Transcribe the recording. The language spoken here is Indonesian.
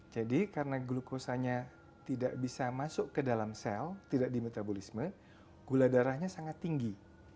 jadi karena glukosanya tidak bisa masuk ke dalam sel tidak di metabolisme gula darahnya sangat tinggi